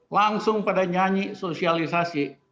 langsung pada nyanyi sosialisasi